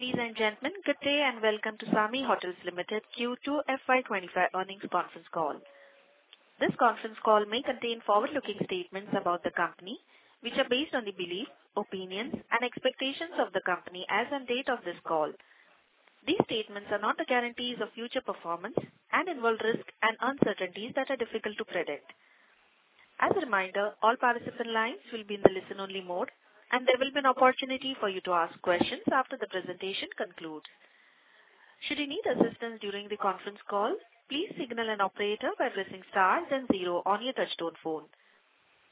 Ladies and gentlemen, good day and welcome to SAMHI Hotels Limited Q2 FY25 Earnings Conference Call. This conference call may contain forward-looking statements about the company, which are based on the beliefs, opinions, and expectations of the company as of the date of this call. These statements are not the guarantees of future performance and involve risks and uncertainties that are difficult to predict. As a reminder, all participant lines will be in the listen-only mode, and there will be an opportunity for you to ask questions after the presentation concludes. Should you need assistance during the conference call, please signal an operator by pressing stars and zero on your touch-tone phone.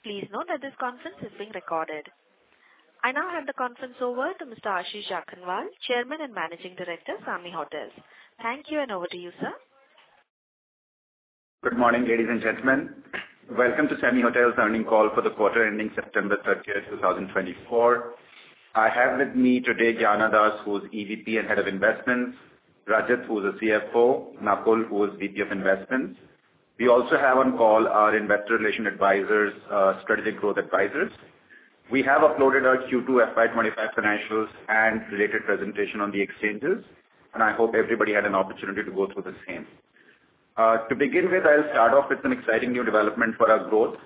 Please note that this conference is being recorded. I now hand the conference over to Mr. Ashish Jakhanwala, Chairman and Managing Director of SAMHI Hotels. Thank you, and over to you, sir. Good morning, ladies and gentlemen. Welcome to SAMHI Hotels' earnings call for the quarter ending September 30th, 2024. I have with me today Gyana Das, who is EVP and Head of Investments; Rajat, who is a CFO; and Akul, who is VP of Investments. We also have on call our Investor Relations Advisors, Strategic Growth Advisors. We have uploaded our Q2 FY25 financials and related presentation on the exchanges, and I hope everybody had an opportunity to go through the same. To begin with, I'll start off with some exciting new development for our growth,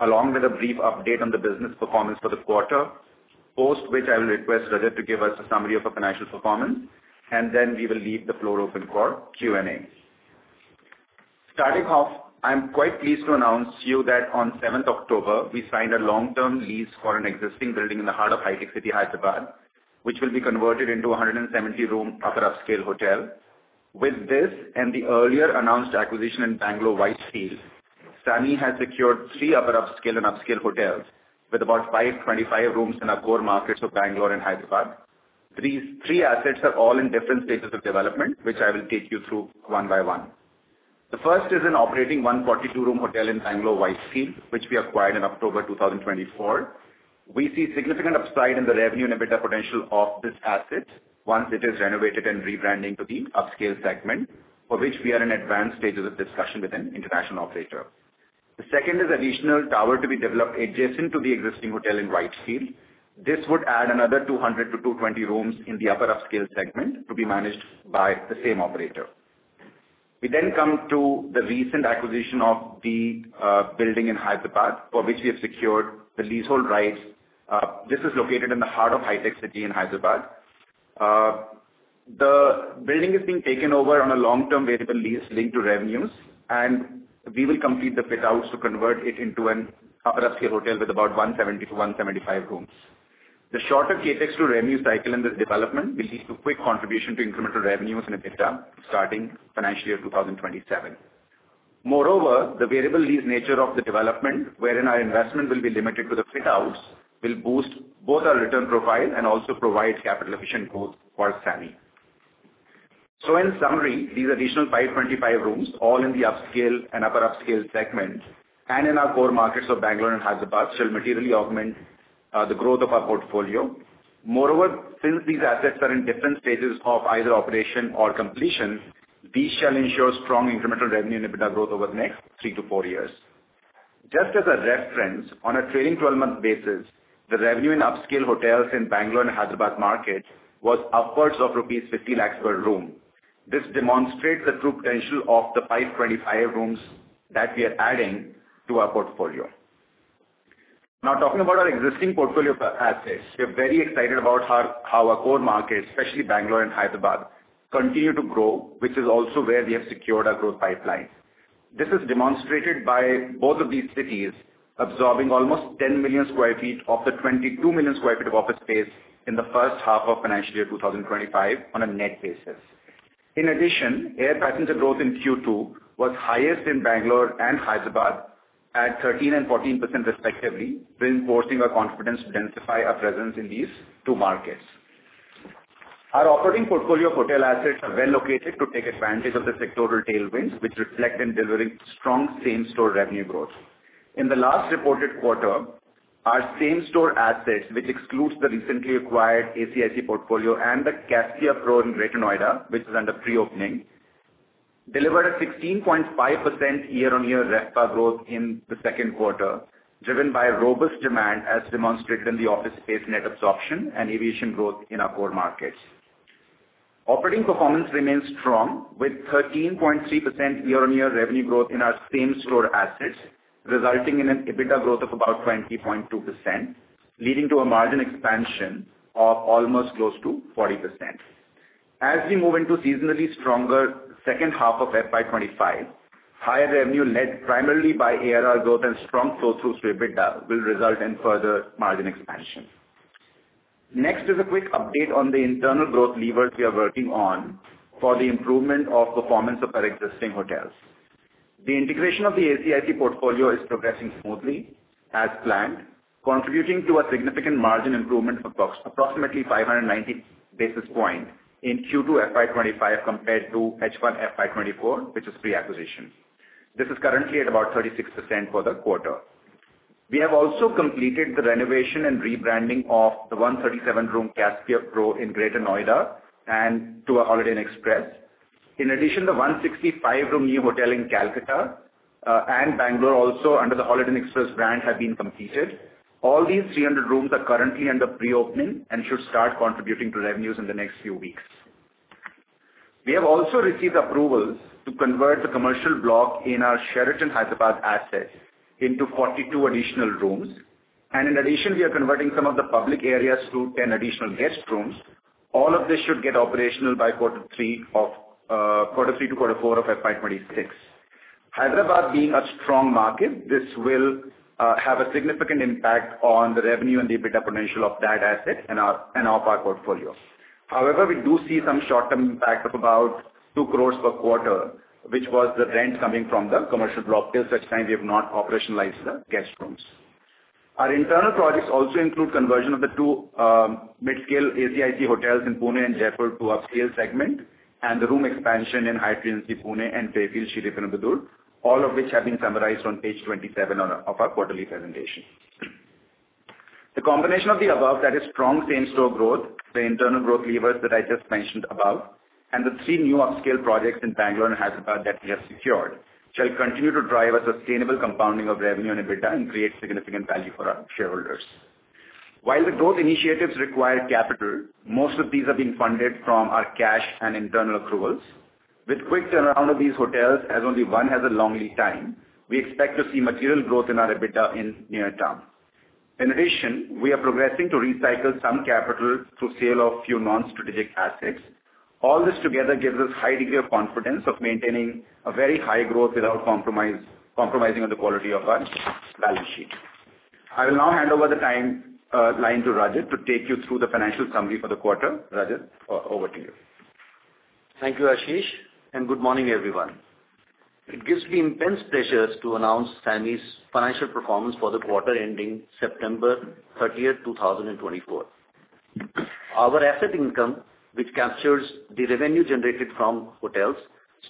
along with a brief update on the business performance for the quarter, post which I will request Rajat to give us a summary of our financial performance, and then we will leave the floor open for Q&A. Starting off, I'm quite pleased to announce to you that on 7th October, we signed a long-term lease for an existing building in the heart of HITEC City, Hyderabad, which will be converted into a 170-room upper-upscale hotel. With this and the earlier announced acquisition in Bengaluru Whitefield, SAMHI has secured three upper-upscale and upscale hotels with about 525 rooms in our core markets of Bengaluru and Hyderabad. These three assets are all in different stages of development, which I will take you through one by one. The first is an operating 142-room hotel in Bengaluru Whitefield, which we acquired in October 2024. We see significant upside in the revenue and EBITDA potential of this asset once it is renovated and rebranding to the upscale segment, for which we are in advanced stages of discussion with an international operator. The second is an additional tower to be developed adjacent to the existing hotel in Whitefield. This would add another 200-220 rooms in the upper-upscale segment to be managed by the same operator. We then come to the recent acquisition of the building in Hyderabad, for which we have secured the leasehold rights. This is located in the heart of HITEC City in Hyderabad. The building is being taken over on a long-term variable lease linked to revenues, and we will complete the fit-outs to convert it into an upper-upscale hotel with about 170-175 rooms. The shorter capex-to-revenue cycle in this development will lead to quick contribution to incremental revenues and EBITDA starting financial year 2027. Moreover, the variable lease nature of the development, wherein our investment will be limited to the fit-outs, will boost both our return profile and also provide capital-efficient growth for SAMHI. So, in summary, these additional 525 rooms, all in the upscale and upper-upscale segment and in our core markets of Bangalore and Hyderabad, shall materially augment the growth of our portfolio. Moreover, since these assets are in different stages of either operation or completion, these shall ensure strong incremental revenue and EBITDA growth over the next three to four years. Just as a reference, on a trailing 12-month basis, the revenue in upscale hotels in Bangalore and Hyderabad market was upwards of rupees 50 lakhs per room. This demonstrates the true potential of the 525 rooms that we are adding to our portfolio. Now, talking about our existing portfolio of assets, we are very excited about how our core markets, especially Bengaluru and Hyderabad, continue to grow, which is also where we have secured our growth pipeline. This is demonstrated by both of these cities absorbing almost 10 million sq ft of the 22 million sq ft of office space in the first half of financial year 2025 on a net basis. In addition, air passenger growth in Q2 was highest in Bengaluru and Hyderabad at 13% and 14% respectively, reinforcing our confidence to densify our presence in these two markets. Our operating portfolio of hotel assets are well located to take advantage of the sectoral tailwinds, which reflect in delivering strong same-store revenue growth. In the last reported quarter, our same-store assets, which excludes the recently acquired ACIC portfolio and the Caspia Pro in Greater Noida, which is under pre-opening, delivered a 16.5% year-on-year growth in the second quarter, driven by robust demand, as demonstrated in the office space net absorption and aviation growth in our core markets. Operating performance remains strong, with 13.3% year-on-year revenue growth in our same-store assets, resulting in an EBITDA growth of about 20.2%, leading to a margin expansion of almost close to 40%. As we move into seasonally stronger second half of FY25, higher revenue led primarily by ARR growth and strong flow-through through EBITDA will result in further margin expansion. Next is a quick update on the internal growth levers we are working on for the improvement of performance of our existing hotels. The integration of the ACIC portfolio is progressing smoothly as planned, contributing to a significant margin improvement of approximately 590 basis points in Q2 FY25 compared to H1 FY24, which is pre-acquisition. This is currently at about 36% for the quarter. We have also completed the renovation and rebranding of the 137-room Caspia Pro in Greater Noida and to a Holiday Inn Express. In addition, the 165-room new hotel in Kolkata and Bengaluru also under the Holiday Inn Express brand have been completed. All these 300 rooms are currently under pre-opening and should start contributing to revenues in the next few weeks. We have also received approvals to convert the commercial block in our Sheraton Hyderabad assets into 42 additional rooms. And in addition, we are converting some of the public areas to 10 additional guest rooms. All of this should get operational by Q2-Q4 of FY26. Hyderabad being a strong market, this will have a significant impact on the revenue and the EBITDA potential of that asset and of our portfolio. However, we do see some short-term impact of about two crores per quarter, which was the rent coming from the commercial block till such time we have not operationalized the guest rooms. Our internal projects also include conversion of the two mid-scale ACIC hotels in Pune and Jaipur to upscale segment and the room expansion in Hyatt Regency Pune and Fairfield, Sriperumbudur, all of which have been summarized on page 27 of our quarterly presentation. The combination of the above that is strong same-store growth, the internal growth levers that I just mentioned above, and the three new upscale projects in Bengaluru and Hyderabad that we have secured shall continue to drive a sustainable compounding of revenue and EBITDA and create significant value for our shareholders. While the growth initiatives require capital, most of these have been funded from our cash and internal accruals. With quick turnaround of these hotels, as only one has a long lead time, we expect to see material growth in our EBITDA in near term. In addition, we are progressing to recycle some capital through sale of few non-strategic assets. All this together gives us a high degree of confidence of maintaining a very high growth without compromising on the quality of our balance sheet. I will now hand over the line to Rajat to take you through the financial summary for the quarter. Rajat, over to you. Thank you, Ashish, and good morning, everyone. It gives me immense pleasure to announce SAMHI's financial performance for the quarter ending September 30th, 2024. Our asset income, which captures the revenue generated from hotels,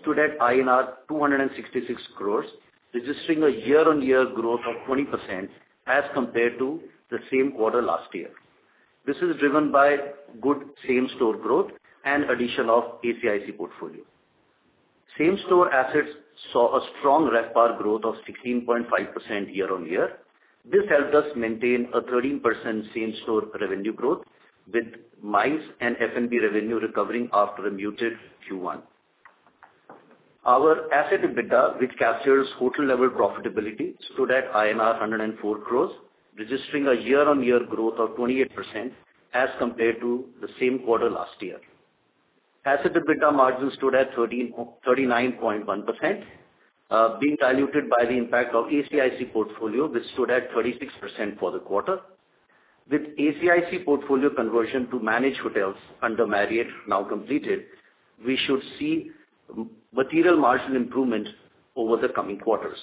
stood at INR 266 crores, registering a year-on-year growth of 20% as compared to the same quarter last year. This is driven by good same-store growth and addition of ACIC portfolio. Same-store assets saw a strong RevPAR growth of 16.5% year-on-year. This helped us maintain a 13% same-store revenue growth, with MICE and F&B revenue recovering after a muted Q1. Our asset EBITDA, which captures hotel-level profitability, stood at INR 104 crores, registering a year-on-year growth of 28% as compared to the same quarter last year. Asset EBITDA margin stood at 39.1%, being diluted by the impact of ACIC portfolio, which stood at 36% for the quarter. With ACIC portfolio conversion to managed hotels under Marriott now completed, we should see material margin improvement over the coming quarters.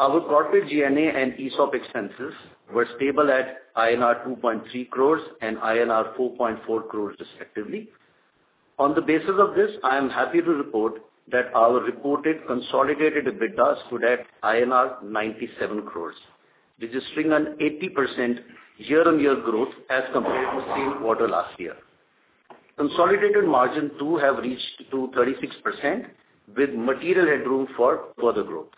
Our corporate G&A and ESOP expenses were stable at INR 2.3 crores and INR 4.4 crores, respectively. On the basis of this, I am happy to report that our reported consolidated EBITDA stood at INR 97 crores, registering an 80% year-on-year growth as compared to the same quarter last year. Consolidated margin too has reached 36%, with material headroom for further growth.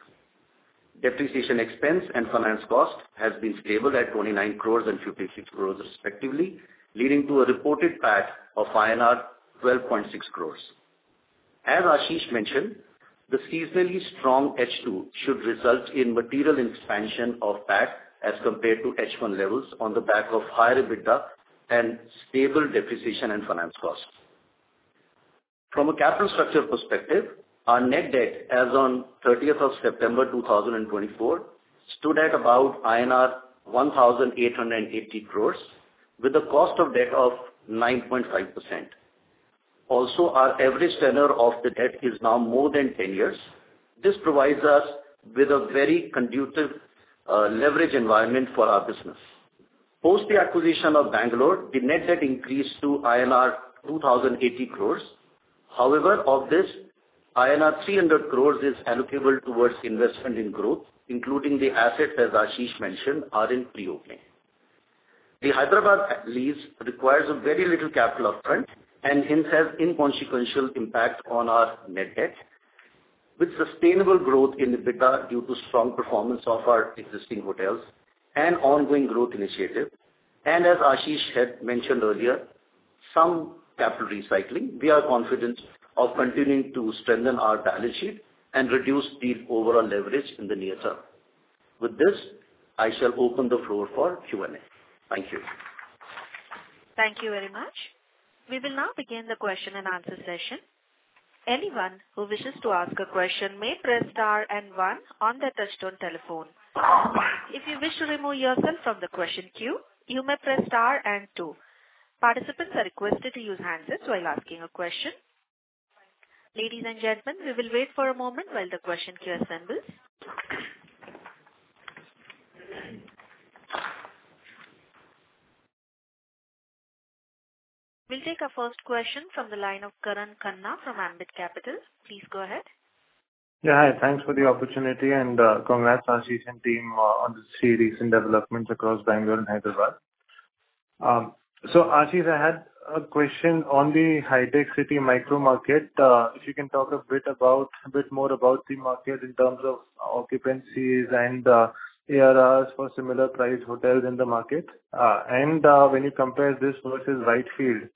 Depreciation expense and finance cost has been stable at 29 crores and 56 crores, respectively, leading to a reported PAT of INR 12.6 crores. As Ashish mentioned, the seasonally strong H2 should result in material expansion of PAT as compared to H1 levels on the back of higher EBITDA and stable depreciation and finance cost. From a capital structure perspective, our net debt as of 30th September 2024 stood at about INR 1,880 crores, with a cost of debt of 9.5%. Also, our average tenor of the debt is now more than 10 years. This provides us with a very conducive leverage environment for our business. Post the acquisition of Bangalore, the net debt increased to INR 2,080 crores. However, of this, INR 300 crores is allocable towards investment in growth, including the assets, as Ashish mentioned, are in pre-opening. The Hyderabad lease requires a very little capital upfront and hence has inconsequential impact on our net debt, with sustainable growth in EBITDA due to strong performance of our existing hotels and ongoing growth initiative. And as Ashish had mentioned earlier, some capital recycling, we are confident of continuing to strengthen our balance sheet and reduce the overall leverage in the near term. With this, I shall open the floor for Q&A. Thank you. Thank you very much. We will now begin the question and answer session. Anyone who wishes to ask a question may press star and one on the touch-tone telephone. If you wish to remove yourself from the question queue, you may press star and two. Participants are requested to use handsets while asking a question. Ladies and gentlemen, we will wait for a moment while the question queue assembles. We'll take our first question from the line of Karan Khanna from Ambit Capital. Please go ahead. Yeah, hi. Thanks for the opportunity and congrats to Ashish and team on this recent development across Bangalore and Hyderabad. So Ashish, I had a question on the HITEC City micro market. If you can talk a bit more about the market in terms of occupancies and ARRs for similar-priced hotels in the market. And when you compare this versus Whitefield,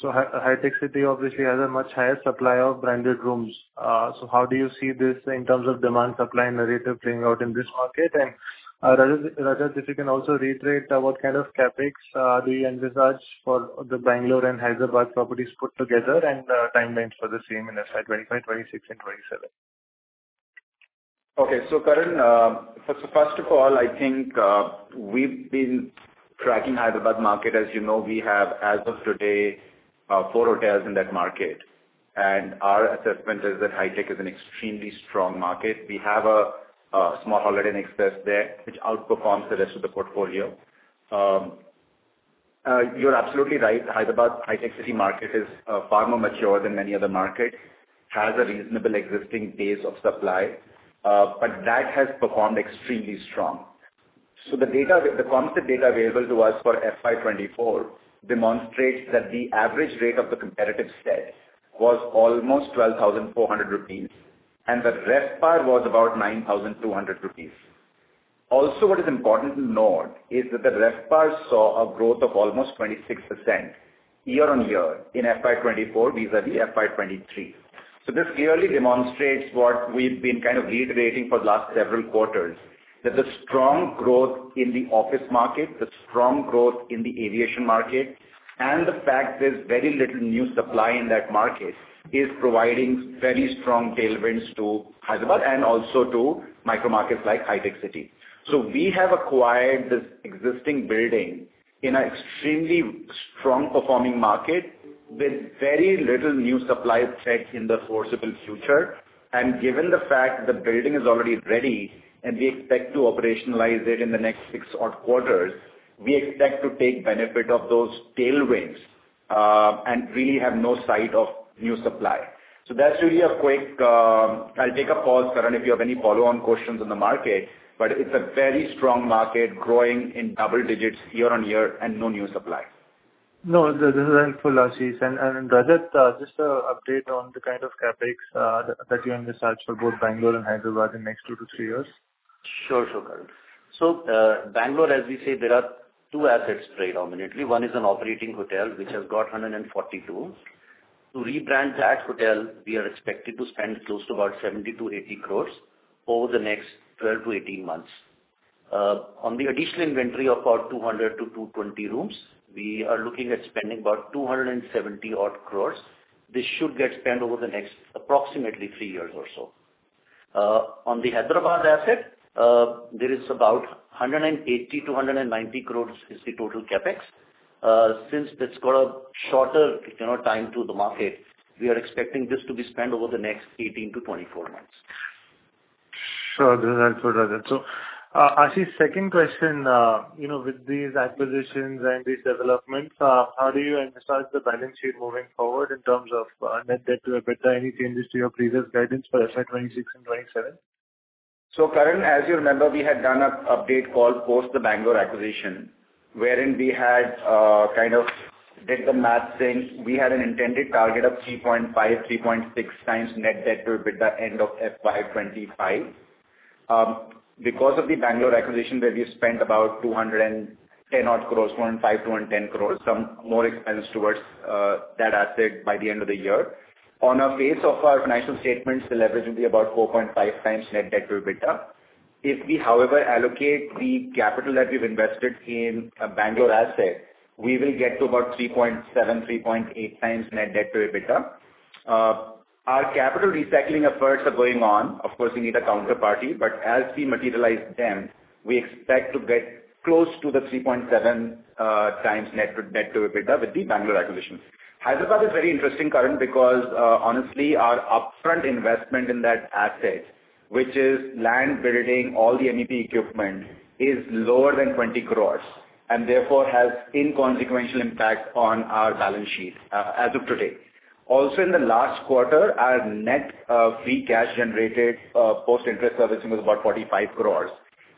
so HITEC City obviously has a much higher supply of branded rooms. So how do you see this in terms of demand-supply narrative playing out in this market? And Rajat, if you can also reiterate, what kind of CapEx do you envisage for the Bangalore and Hyderabad properties put together and timelines for the same in FY25, FY26, and FY27? Okay. So first of all, I think we've been tracking the Hyderabad market. As you know, we have, as of today, four hotels in that market. And our assessment is that HITEC City is an extremely strong market. We have a small Holiday Inn Express there, which outperforms the rest of the portfolio. You're absolutely right. Hyderabad HITEC City market is far more mature than many other markets, has a reasonable existing base of supply, but that has performed extremely strong. So the data available to us for FY24 demonstrates that the average rate of the competitive set was almost 12,400 rupees, and the RevPAR was about 9,200 rupees. Also, what is important to note is that the RevPAR saw a growth of almost 26% year-on-year in FY24 vis-à-vis FY23. So this clearly demonstrates what we've been kind of reiterating for the last several quarters, that the strong growth in the office market, the strong growth in the aviation market, and the fact there's very little new supply in that market is providing very strong tailwinds to Hyderabad and also to micro markets like HITEC City. So we have acquired this existing building in an extremely strong-performing market with very little new supply threat in the foreseeable future. And given the fact the building is already ready and we expect to operationalize it in the next six quarters, we expect to take benefit of those tailwinds and really have no sight of new supply. So that's really a quick. I'll take a pause, Karan, if you have any follow-on questions on the market, but it's a very strong market growing in double digits year-on-year and no new supply. No, this is helpful, Ashish. And Rajat, just an update on the kind of CapEx that you envisage for both Bengaluru and Hyderabad in the next two to three years? Sure, sure, Karan. So Bengaluru, as we say, there are two assets predominantly. One is an operating hotel, which has got 142. To rebrand that hotel, we are expected to spend close to about 70-80 crores over the next 12 to 18 months. On the additional inventory of about 200 to 220 rooms, we are looking at spending about 270 crores. This should get spent over the next approximately three years or so. On the Hyderabad asset, there is about 180-190 crores is the total CapEx. Since it's got a shorter time to the market, we are expecting this to be spent over the next 18 to 24 months. Sure, this is helpful, Rajat. So Ashish, second question, with these acquisitions and these developments, how do you envisage the balance sheet moving forward in terms of net debt to EBITDA? Any changes to your previous guidance for FY26 and FY27? Karan, as you remember, we had done an update call post the Bangalore acquisition, wherein we had kind of did the math saying we had an intended target of 3.5, 3.6 times net debt to EBITDA end of FY25. Because of the Bangalore acquisition, we have spent about 210 crores, 205 to 210 crores, some more expense towards that asset by the end of the year. On a face of our financial statements, the leverage will be about 4.5 times net debt to EBITDA. If we, however, allocate the capital that we've invested in a Bangalore asset, we will get to about 3.7, 3.8 times net debt to EBITDA. Our capital recycling efforts are going on. Of course, we need a counterparty, but as we materialize them, we expect to get close to the 3.7 times net debt to EBITDA with the Bangalore acquisition. Hyderabad is very interesting, Karan, because honestly, our upfront investment in that asset, which is land, building, all the MEP equipment, is lower than 20 crores and therefore has inconsequential impact on our balance sheet as of today. Also, in the last quarter, our net free cash generated post-interest servicing was about 45 crores.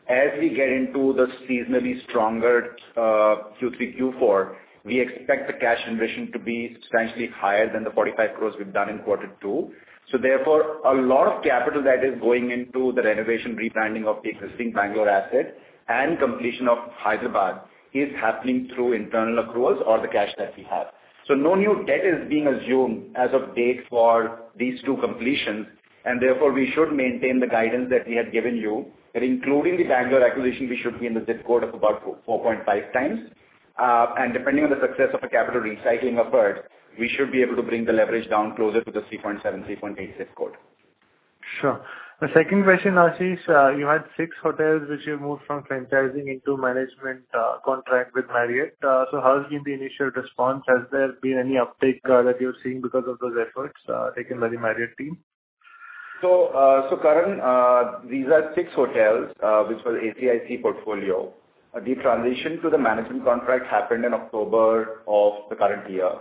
As we get into the seasonally stronger Q3, Q4, we expect the cash generation to be substantially higher than the 45 crores we've done in quarter two. So therefore, a lot of capital that is going into the renovation, rebranding of the existing Bangalore asset and completion of Hyderabad is happening through internal accruals or the cash that we have. So no new debt is being assumed as of date for these two completions, and therefore we should maintain the guidance that we had given you. Including the Bangalore acquisition, we should be in the zip code of about 4.5 times, and depending on the success of the capital recycling effort, we should be able to bring the leverage down closer to the 3.7, 3.8 zip code. Sure. The second question, Ashish, you had six hotels, which you moved from franchising into management contract with Marriott. So how has been the initial response? Has there been any uptake that you're seeing because of those efforts taken by the Marriott team? So Karan, these are six hotels, which were ACIC portfolio. The transition to the management contract happened in October of the current year.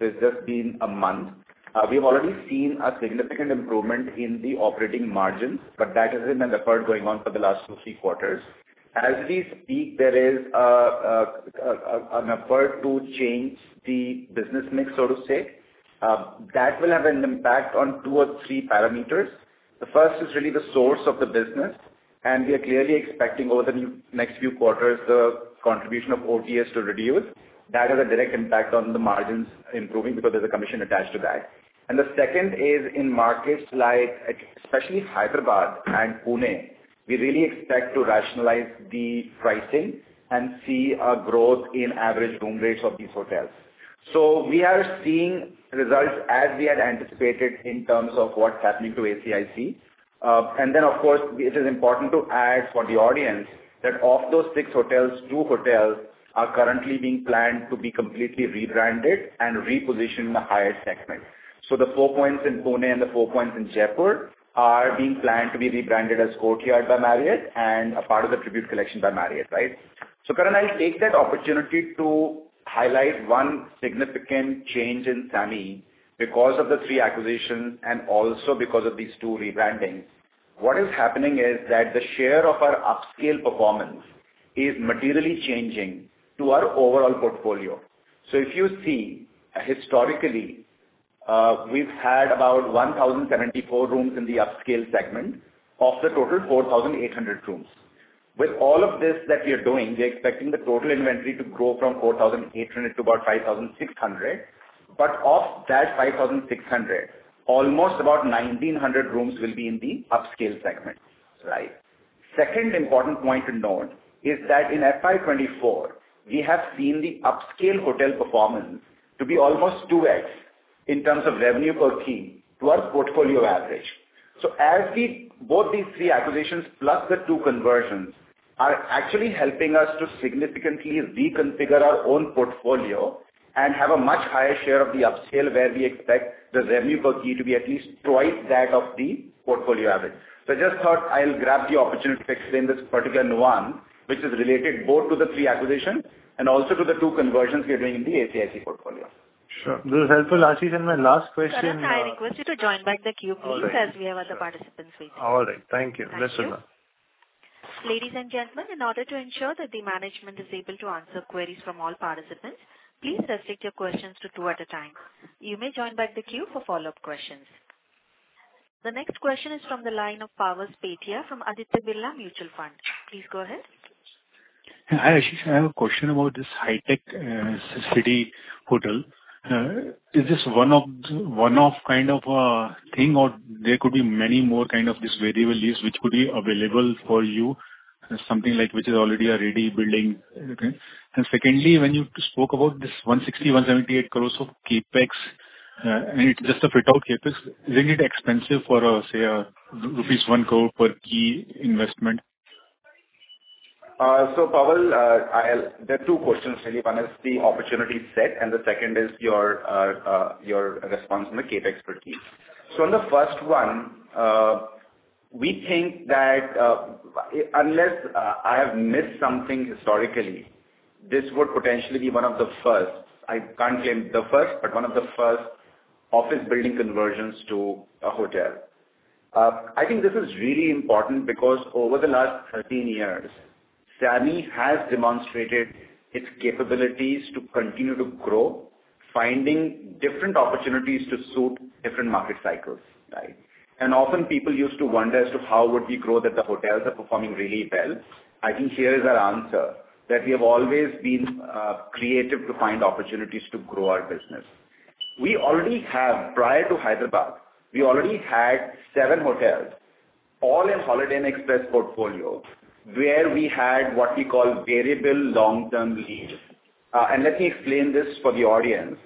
So it's just been a month. We've already seen a significant improvement in the operating margins, but that has been an effort going on for the last two, three quarters. As we speak, there is an effort to change the business mix, so to say. That will have an impact on two or three parameters. The first is really the source of the business, and we are clearly expecting over the next few quarters the contribution of OTAs to reduce. That has a direct impact on the margins improving because there's a commission attached to that. And the second is in markets like especially Hyderabad and Pune, we really expect to rationalize the pricing and see a growth in average room rates of these hotels. So we are seeing results as we had anticipated in terms of what's happening to ACIC. And then, of course, it is important to add for the audience that of those six hotels, two hotels are currently being planned to be completely rebranded and repositioned in the higher segment. So the Four Points in Pune and the Four Points in Jaipur are being planned to be rebranded as Courtyard by Marriott and a part of the Tribute Collection by Marriott, right? So Karan, I'll take that opportunity to highlight one significant change in SAMHI because of the three acquisitions and also because of these two rebrandings. What is happening is that the share of our upscale performance is materially changing to our overall portfolio. So if you see, historically, we've had about 1,074 rooms in the upscale segment of the total 4,800 rooms. With all of this that we are doing, we're expecting the total inventory to grow from 4,800 to about 5,600. But of that 5,600, almost about 1,900 rooms will be in the upscale segment, right? Second important point to note is that in FY24, we have seen the upscale hotel performance to be almost 2x in terms of revenue per key to our portfolio average. So both these three acquisitions plus the two conversions are actually helping us to significantly reconfigure our own portfolio and have a much higher share of the upscale where we expect the revenue per key to be at least twice that of the portfolio average. So I just thought I'll grab the opportunity to explain this particular nuance, which is related both to the three acquisitions and also to the two conversions we are doing in the ACIC portfolio. Sure. This is helpful, Ashish. And my last question. Ashish, I request you to join back the queue, please, as we have other participants waiting. All right. Thank you. Yes, sir. Ladies and gentlemen, in order to ensure that the management is able to answer queries from all participants, please restrict your questions to two at a time. You may join back the queue for follow-up questions. The next question is from the line of Pavas Pethia from Aditya Birla Mutual Fund. Please go ahead. Hi, Ashish. I have a question about this HITEC City hotel. Is this one-off kind of thing, or there could be many more kind of these variable leases which could be available for you, something like which is already a ready building? And secondly, when you spoke about this 160-178 crores of CapEx, and it's just a fit-out CapEx, isn't it expensive for, say, a rupees 1 crore per key investment? Pawas, there are two questions, really. One is the opportunity set, and the second is your response on the CapEx per key. On the first one, we think that unless I have missed something historically, this would potentially be one of the first. I can't claim the first, but one of the first office building conversions to a hotel. I think this is really important because over the last 13 years, SAMHI has demonstrated its capabilities to continue to grow, finding different opportunities to suit different market cycles, right? Often, people used to wonder as to how would we grow, that the hotels are performing really well. I think here is our answer, that we have always been creative to find opportunities to grow our business. We already have, prior to Hyderabad, we already had seven hotels, all in Holiday Inn Express portfolio, where we had what we call variable long-term lease, and let me explain this for the audience.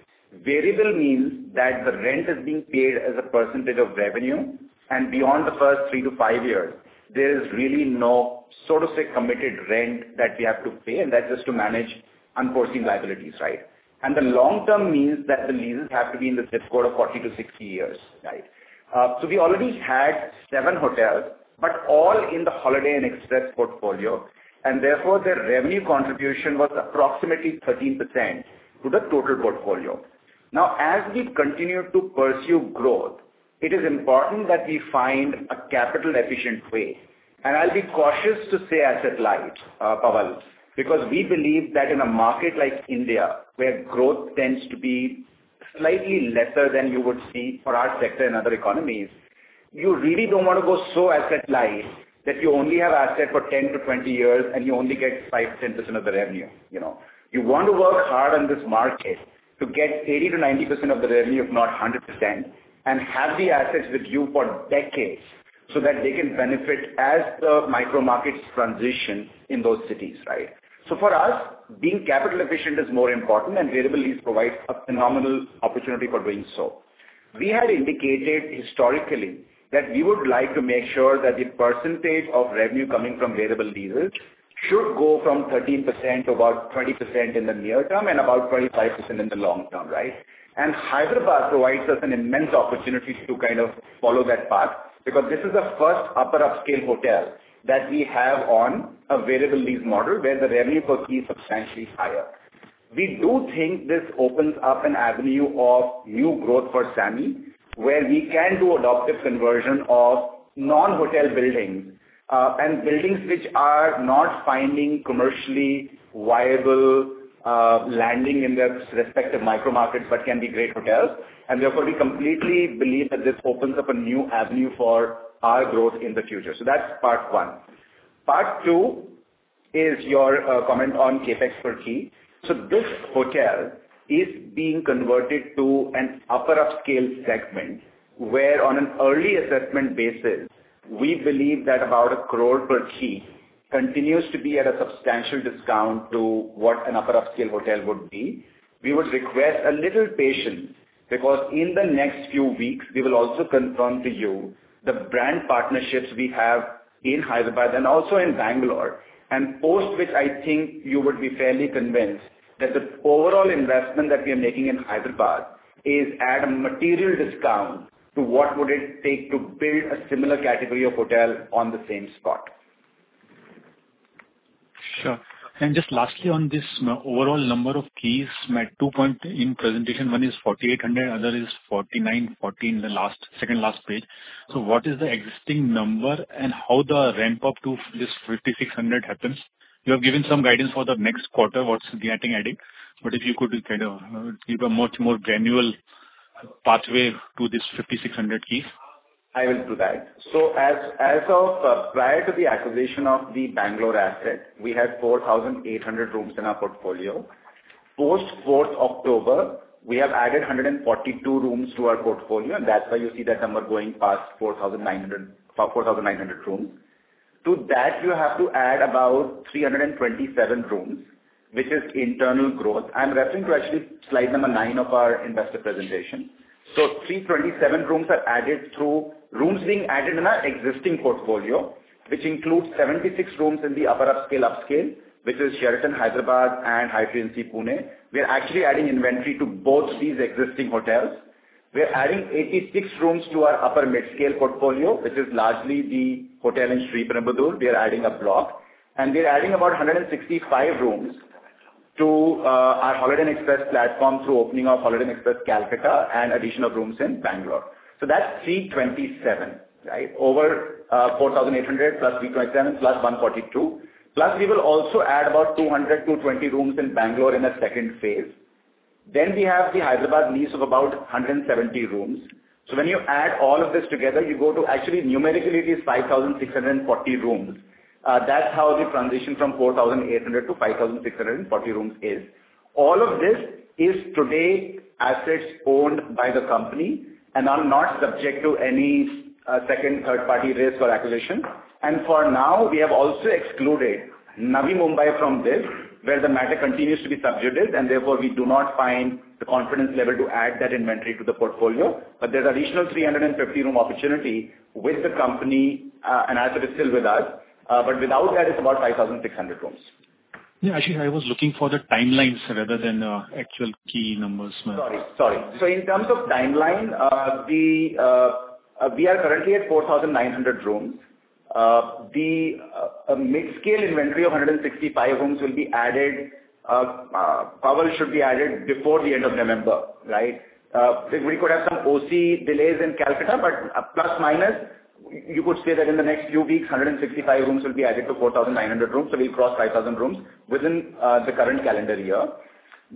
Variable means that the rent is being paid as a percentage of revenue, and beyond the first three to five years, there is really no sort of committed rent that we have to pay, and that's just to manage unforeseen liabilities, right? And the long-term means that the leases have to be in the zip code of 40 to 60 years, right, so we already had seven hotels, but all in the Holiday Inn Express portfolio, and therefore the revenue contribution was approximately 13% to the total portfolio. Now, as we continue to pursue growth, it is important that we find a capital-efficient way. I'll be cautious to say asset light, Pavas, because we believe that in a market like India, where growth tends to be slightly lesser than you would see for our sector and other economies, you really don't want to go so asset light that you only have asset for 10 to 20 years and you only get 5-10% of the revenue. You want to work hard on this market to get 80-90% of the revenue, if not 100%, and have the assets with you for decades so that they can benefit as the micro markets transition in those cities, right? So for us, being capital-efficient is more important, and variable lease provides a phenomenal opportunity for doing so. We had indicated historically that we would like to make sure that the percentage of revenue coming from variable leases should go from 13% to about 20% in the near term and about 25% in the long term, right? And Hyderabad provides us an immense opportunity to kind of follow that path because this is the first upper-upscale hotel that we have on a variable lease model where the revenue per key is substantially higher. We do think this opens up an avenue of new growth for SAMHI, where we can do adaptive conversion of non-hotel buildings and buildings which are not finding commercially viable landing in their respective micro markets but can be great hotels. And therefore, we completely believe that this opens up a new avenue for our growth in the future. So that's part one. Part two is your comment on CapEx per key. So this hotel is being converted to an upper-upscale segment where, on an early assessment basis, we believe that about a crore per key continues to be at a substantial discount to what an upper-upscale hotel would be. We would request a little patience because in the next few weeks, we will also confirm to you the brand partnerships we have in Hyderabad and also in Bangalore, and post which I think you would be fairly convinced that the overall investment that we are making in Hyderabad is at a material discount to what would it take to build a similar category of hotel on the same spot. Sure. And just lastly on this overall number of keys, my two points in presentation, one is 4,800, other is 4,940 in the second last page. So what is the existing number and how the ramp-up to this 5,600 happens? You have given some guidance for the next quarter, what's getting added, but if you could kind of give a much more granular pathway to this 5,600 keys. I will do that. So as of prior to the acquisition of the Bangalore asset, we had 4,800 rooms in our portfolio. Post 4th October, we have added 142 rooms to our portfolio, and that's why you see that number going past 4,900 rooms. To that, you have to add about 327 rooms, which is internal growth. I'm referring to actually slide number nine of our investor presentation. So 327 rooms are added through rooms being added in our existing portfolio, which includes 76 rooms in the upper-upscale upscale, which is Sheraton, Hyderabad, and Hyatt Regency Pune. We are actually adding inventory to both these existing hotels. We are adding 86 rooms to our upper-mid-scale portfolio, which is largely the hotel in Sriperumbudur. We are adding a block, and we are adding about 165 rooms to our Holiday Inn Express platform through opening of Holiday Inn Express Kolkata and addition of rooms in Bangalore. So that's 327, right? Over 4,800+327+142. Plus, we will also add about 200 to 20 rooms in Bangalore in a second phase. Then we have the Hyderabad lease of about 170 rooms. So when you add all of this together, you go to actually numerically, it is 5,640 rooms. That's how the transition from 4,800 to 5,640 rooms is. All of this is today assets owned by the company, and I'm not subject to any second, third-party risk or acquisition. And for now, we have also excluded Navi Mumbai from this, where the matter continues to be sub judice, and therefore we do not find the confidence level to add that inventory to the portfolio. But there's additional 350-room opportunity with the company, and as it is still with us. But without that, it's about 5,600 rooms. Yeah, actually, I was looking for the timelines rather than actual key numbers. Sorry, sorry. So in terms of timeline, we are currently at 4,900 rooms. The mid-scale inventory of 165 rooms will be added. Pavas should be added before the end of November, right? We could have some OC delays in Kolkata, but plus minus, you could say that in the next few weeks, 165 rooms will be added to 4,900 rooms. So we'll cross 5,000 rooms within the current calendar year.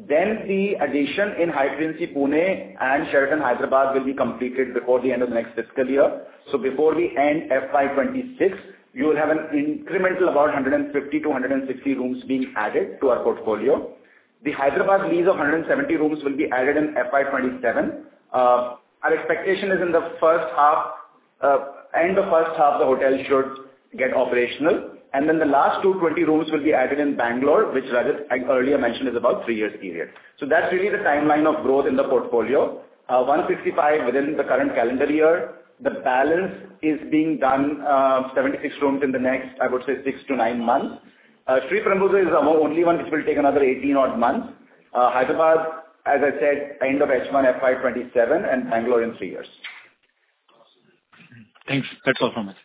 Then the addition in Hyatt Regency Pune and Sheraton Hyderabad will be completed before the end of the next fiscal year. So before we end FY26, you will have an incremental about 150-160 rooms being added to our portfolio. The Hyderabad lease of 170 rooms will be added in FY27. Our expectation is, in the first half, end of first half, the hotel should get operational, and then the last 220 rooms will be added in Bengaluru, which Rajat earlier mentioned is about a three-year period, so that's really the timeline of growth in the portfolio. 165 within the current calendar year. The balance is being done 76 rooms in the next, I would say, six to nine months. Sriperumbudur is only one which will take another 18-odd months. Hyderabad, as I said, end of H1, FY27, and Bengaluru in three years. Thanks. That's all from us.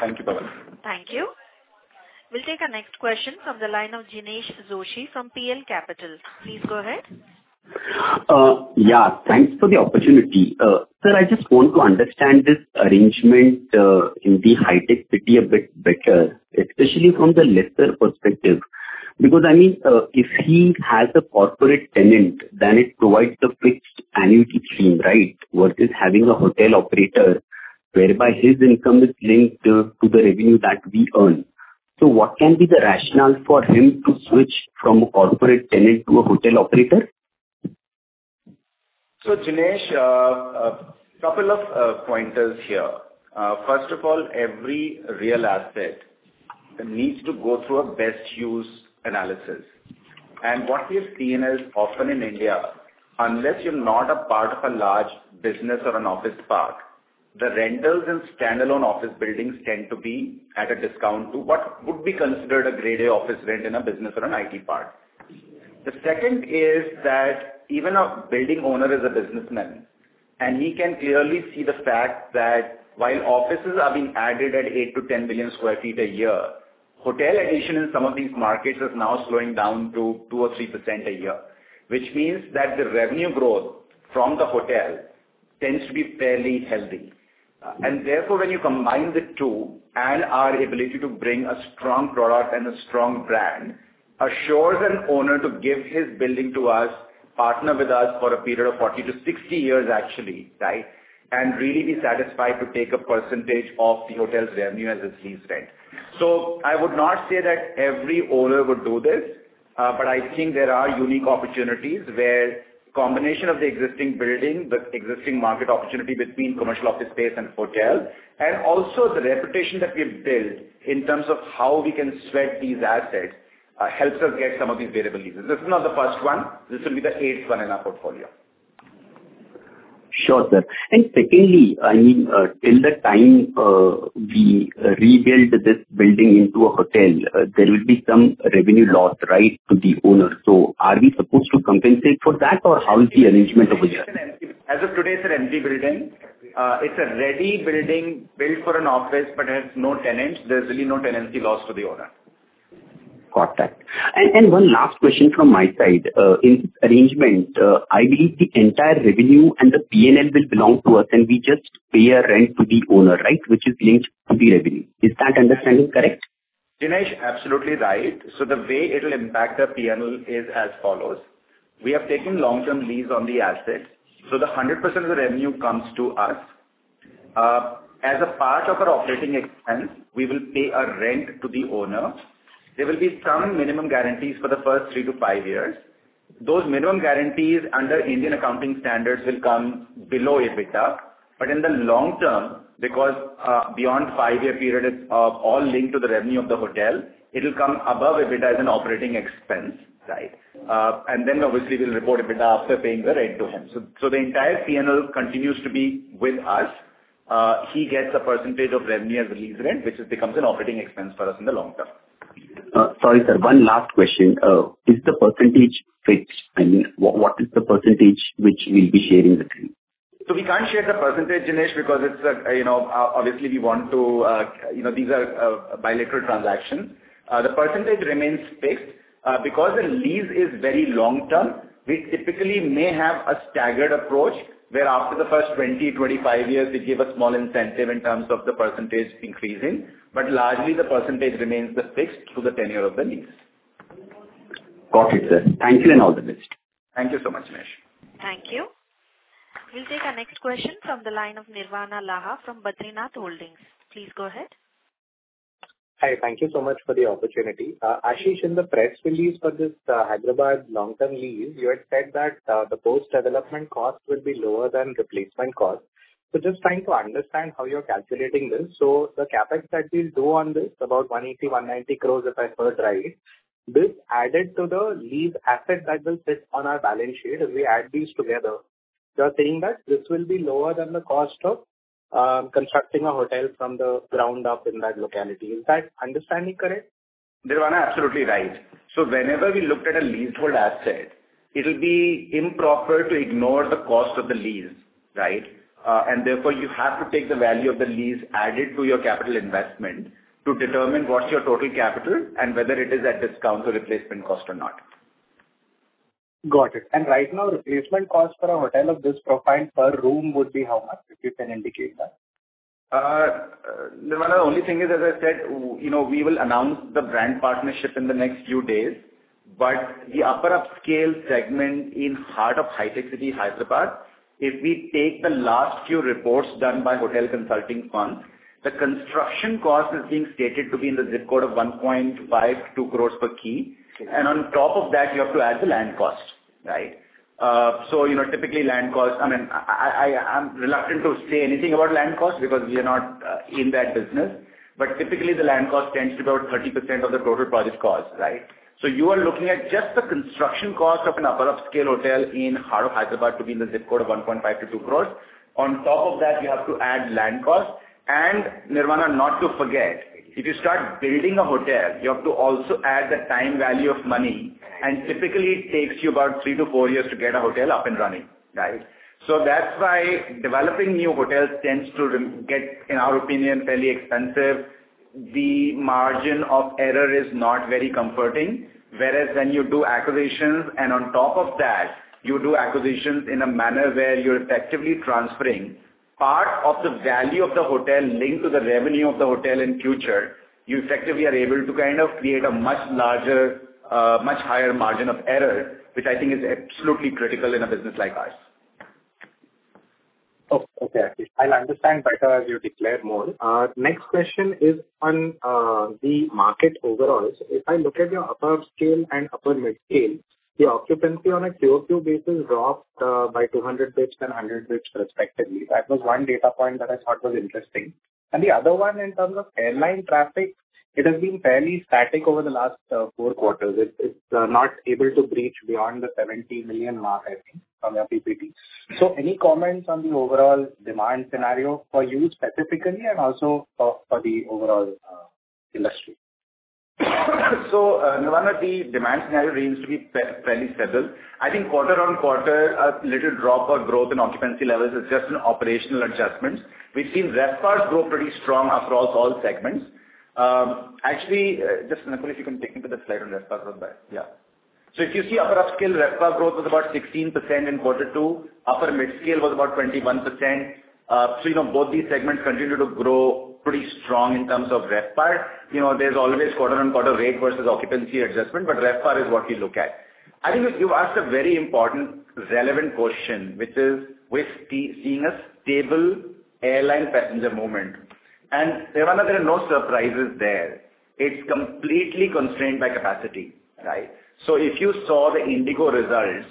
Thank you, Pawas. Thank you. We'll take a next question from the line of Jinesh Joshi from PL Capital. Please go ahead. Yeah, thanks for the opportunity. Sir, I just want to understand this arrangement in the HITEC City a bit better, especially from the lessor perspective. Because, I mean, if he has a corporate tenant, then it provides a fixed annuity scheme, right, versus having a hotel operator whereby his income is linked to the revenue that we earn. So what can be the rationale for him to switch from a corporate tenant to a hotel operator? Jinesh, a couple of pointers here. First of all, every real asset needs to go through a best use analysis, and what we have seen is often in India, unless you're not a part of a large business or an office park, the rentals in standalone office buildings tend to be at a discount to what would be considered a grade A office rent in a business or an IT park. The second is that even a building owner is a businessman, and he can clearly see the fact that while offices are being added at 8-10 million sq ft a year, hotel addition in some of these markets is now slowing down to 2% or 3% a year, which means that the revenue growth from the hotel tends to be fairly healthy. Therefore, when you combine the two and our ability to bring a strong product and a strong brand, assures an owner to give his building to us, partner with us for a period of 40-60 years, actually, right, and really be satisfied to take a percentage of the hotel's revenue as its lease rent. I would not say that every owner would do this, but I think there are unique opportunities where the combination of the existing building, the existing market opportunity between commercial office space and hotel, and also the reputation that we have built in terms of how we can sweat these assets helps us get some of these variable leases. This is not the first one. This will be the eighth one in our portfolio. Sure, sir. And secondly, I mean, till the time we rebuild this building into a hotel, there will be some revenue loss, right, to the owner. So are we supposed to compensate for that, or how is the arrangement over here? As of today, it's an empty building. It's a ready building built for an office, but it has no tenants. There's really no tenancy loss to the owner. Got that. And one last question from my side. In this arrangement, I believe the entire revenue and the P&L will belong to us, and we just pay a rent to the owner, right, which is linked to the revenue. Is that understanding correct? Jinesh, absolutely right. So the way it will impact the P&L is as follows. We have taken long-term lease on the asset, so the 100% of the revenue comes to us. As a part of our operating expense, we will pay a rent to the owner. There will be some minimum guarantees for the first three to five years. Those minimum guarantees under Indian accounting standards will come below EBITDA. But in the long term, because beyond five-year period, it's all linked to the revenue of the hotel, it will come above EBITDA as an operating expense, right? And then, obviously, we'll report EBITDA after paying the rent to him. So the entire P&L continues to be with us. He gets a percentage of revenue as a lease rent, which becomes an operating expense for us in the long term. Sorry, sir. One last question. Is the percentage fixed? I mean, what is the percentage which we'll be sharing with him? So we can't share the percentage, Jinesh, because it's obviously we want to. These are bilateral transactions. The percentage remains fixed. Because the lease is very long-term, we typically may have a staggered approach where after the first 20-25 years, we give a small incentive in terms of the percentage increasing, but largely the percentage remains fixed through the tenure of the lease. Got it, sir. Thank you and all the best. Thank you so much, Jinesh. Thank you. We'll take our next question from the line of Nirvana Laha from Badrinath Holdings. Please go ahead. Hi, thank you so much for the opportunity. Ashish, in the press release for this Hyderabad long-term lease, you had said that the post-development cost will be lower than replacement cost. So just trying to understand how you're calculating this. So the CapEx that we'll do on this, about 180-190 crores, if I heard right, this added to the lease asset that will sit on our balance sheet as we add these together. You're saying that this will be lower than the cost of constructing a hotel from the ground up in that locality. Is that understanding correct? Nirvana, absolutely right. So whenever we looked at a leasehold asset, it will be improper to ignore the cost of the lease, right? And therefore, you have to take the value of the lease added to your capital investment to determine what's your total capital and whether it is at discount to replacement cost or not. Got it. And right now, replacement cost for a hotel of this profile per room would be how much? If you can indicate that. Nirvana, the only thing is, as I said, we will announce the brand partnership in the next few days, but the upper-upscale segment in heart of HITEC City, Hyderabad, if we take the last few reports done by Hotel Consulting Firms, the construction cost is being stated to be in the zip code of 1.52 crores per key. And on top of that, you have to add the land cost, right? So typically, land cost I mean, I'm reluctant to say anything about land cost because we are not in that business, but typically, the land cost tends to be about 30% of the total project cost, right? So you are looking at just the construction cost of an upper-upscale hotel in heart of Hyderabad to be in the zip code of 1.52 crores. On top of that, you have to add land cost. Nirvana, not to forget, if you start building a hotel, you have to also add the time value of money, and typically, it takes you about three to four years to get a hotel up and running, right? So that's why developing new hotels tends to get, in our opinion, fairly expensive. The margin of error is not very comforting, whereas when you do acquisitions and on top of that, you do acquisitions in a manner where you're effectively transferring part of the value of the hotel linked to the revenue of the hotel in future, you effectively are able to kind of create a much larger, much higher margin of error, which I think is absolutely critical in a business like ours. Okay. I'll understand better as you declare more. Next question is on the market overall. So if I look at your upper-upscale and upper-mid-scale, the occupancy on a QoQ basis dropped by 200 basis points and 100 basis points respectively. That was one data point that I thought was interesting. And the other one, in terms of airline traffic, it has been fairly static over the last four quarters. It's not able to breach beyond the 70 million mark, I think, from DGCA. So any comments on the overall demand scenario for you specifically and also for the overall industry? Nirvana, the demand scenario remains to be fairly settled. I think quarter on quarter, a little drop or growth in occupancy levels is just an operational adjustment. We've seen RevPAR grow pretty strong across all segments. Actually, just Akul, if you can take me to the slide on RevPAR real quick. Yeah. So if you see upper-upscale, RevPAR growth was about 16% in quarter two. Upper-mid-scale was about 21%. So both these segments continue to grow pretty strong in terms of RevPAR. There's always quarter on quarter rate versus occupancy adjustment, but RevPAR is what we look at. I think you've asked a very important, relevant question, which is, we're seeing a stable airline passenger movement. And Nirvana, there are no surprises there. It's completely constrained by capacity, right? If you saw the IndiGo results,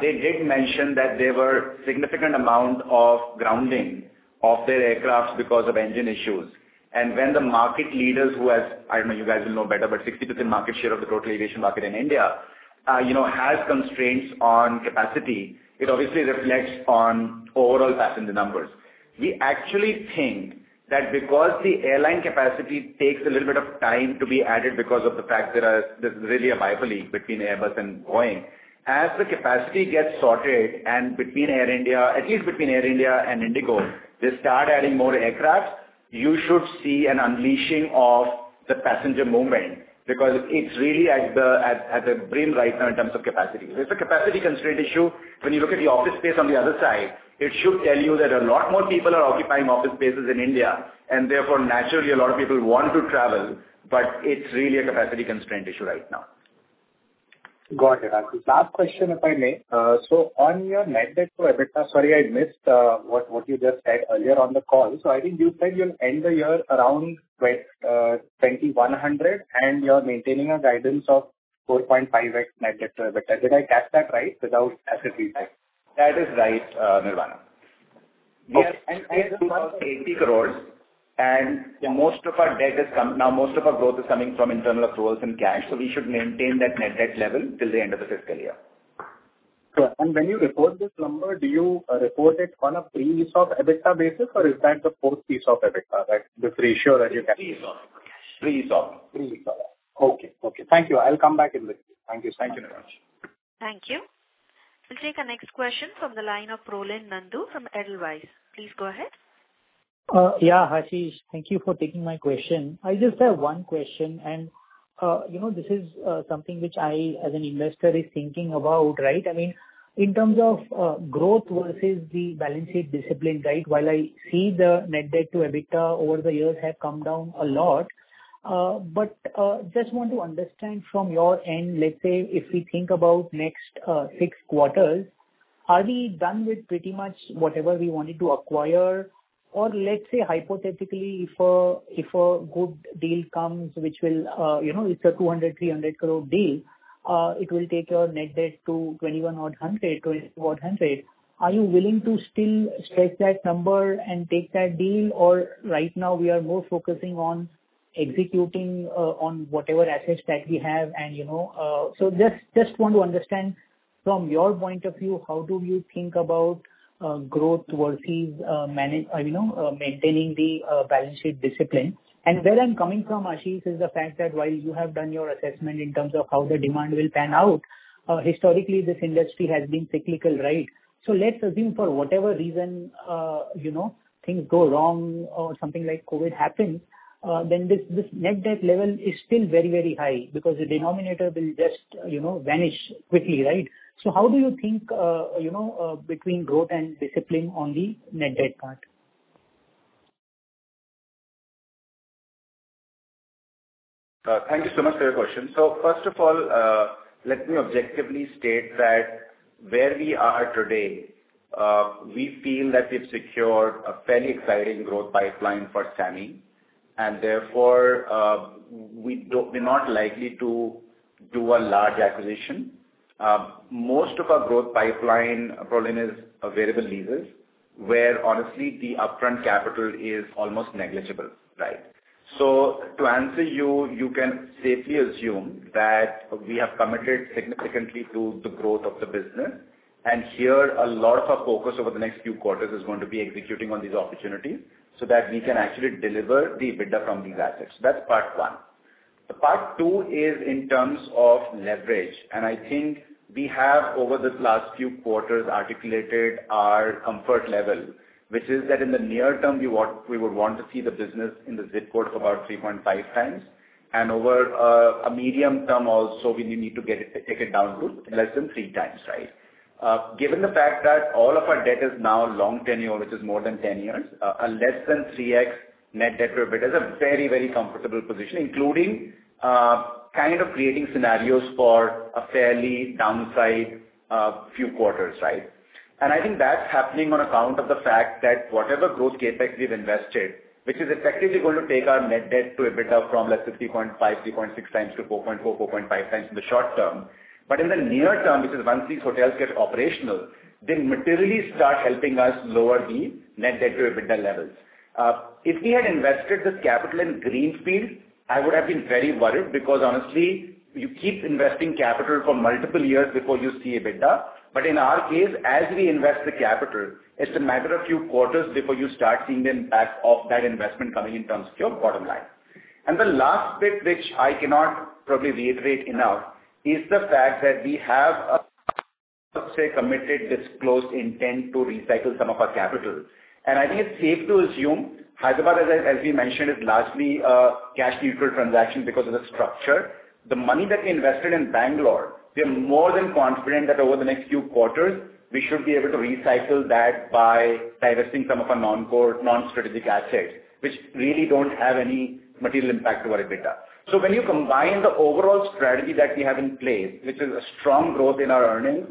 they did mention that there was a significant amount of grounding of their aircraft because of engine issues. And when the market leaders who has—I don't know, you guys will know better, but 60% market share of the total aviation market in India has constraints on capacity, it obviously reflects on overall passenger numbers. We actually think that because the airline capacity takes a little bit of time to be added because of the fact there is really a duopoly between Airbus and Boeing, as the capacity gets sorted and between Air India, at least between Air India and IndiGo, they start adding more aircraft, you should see an unleashing of the passenger movement because it's really at the brim right now in terms of capacity. There's a capacity constraint issue. When you look at the office space on the other side, it should tell you that a lot more people are occupying office spaces in India, and therefore, naturally, a lot of people want to travel, but it's really a capacity constraint issue right now. Got it. Last question, if I may. So on your net debt to EBITDA, sorry, I missed what you just said earlier on the call. So I think you said you'll end the year around 2100, and you're maintaining a guidance of 4.5x net debt to EBITDA. Did I catch that right without asset retirement? That is right, Nirvana. Yes. It's about 80 crores, and most of our debt is now. Most of our growth is coming from internal accruals and cash, so we should maintain that net debt level till the end of the fiscal year. Sure. And when you report this number, do you report it on a pre-lease op EBITDA basis, or is that the post-lease op EBITDA, this ratio that you get? Pre-lease of EBITDA. Pre-lease of EBITDA. Okay. Okay. Thank you. I'll come back in with it. Thank you. Thank you very much. Thank you. We'll take a next question from the line of Roland Nandu from Edelweiss. Please go ahead. Yeah, Ashish, thank you for taking my question. I just have one question, and this is something which I, as an investor, am thinking about, right? I mean, in terms of growth versus the balance sheet discipline, right, while I see the net debt to EBITDA over the years have come down a lot, but just want to understand from your end, let's say, if we think about next six quarters, are we done with pretty much whatever we wanted to acquire? Or let's say, hypothetically, if a good deal comes, which will, it's a 200-300 crore deal, it will take your net debt to 2,100-2,200. Are you willing to still stretch that number and take that deal, or right now, we are more focusing on executing on whatever assets that we have? And so just want to understand from your point of view, how do you think about growth versus maintaining the balance sheet discipline? And where I'm coming from, Ashish, is the fact that while you have done your assessment in terms of how the demand will pan out, historically, this industry has been cyclical, right? So let's assume for whatever reason things go wrong or something like COVID happens, then this net debt level is still very, very high because the denominator will just vanish quickly, right? So how do you think between growth and discipline on the net debt part? Thank you so much for your question. So first of all, let me objectively state that where we are today, we feel that we've secured a fairly exciting growth pipeline for SAMHI, and therefore, we're not likely to do a large acquisition. Most of our growth pipeline probably is available leases, where honestly, the upfront capital is almost negligible, right? So to answer you, you can safely assume that we have committed significantly to the growth of the business, and here, a lot of our focus over the next few quarters is going to be executing on these opportunities so that we can actually deliver the EBITDA from these assets. That's part one. The part two is in terms of leverage, and I think we have, over the last few quarters, articulated our comfort level, which is that in the near term, we would want to see the business in the zip code of about 3.5 times, and over a medium term also, we need to take it down to less than three times, right? Given the fact that all of our debt is now long-tenor, which is more than 10 years, a less than 3x Net Debt to EBITDA is a very, very comfortable position, including kind of creating scenarios for a fairly downside few quarters, right? And I think that's happening on account of the fact that whatever growth CapEx we've invested, which is effectively going to take our net debt to EBITDA from, let's say, 3.5-3.6 times to 4.4-4.5 times in the short term, but in the near term, which is once these hotels get operational, they materially start helping us lower the net debt to EBITDA levels. If we had invested this capital in greenfield, I would have been very worried because, honestly, you keep investing capital for multiple years before you see EBITDA, but in our case, as we invest the capital, it's a matter of a few quarters before you start seeing the impact of that investment coming in terms of your bottom line. And the last bit, which I cannot probably reiterate enough, is the fact that we have, let's say, committed this closed intent to recycle some of our capital. And I think it's safe to assume Hyderabad, as we mentioned, is largely a cash-neutral transaction because of the structure. The money that we invested in Bangalore, we are more than confident that over the next few quarters, we should be able to recycle that by divesting some of our non-core, non-strategic assets, which really don't have any material impact to our EBITDA. So when you combine the overall strategy that we have in place, which is a strong growth in our earnings,